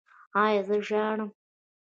ایا زه ژاړم؟